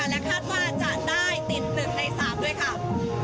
และคาดว่าจะได้ติด๑ใน๓ด้วยค่ะ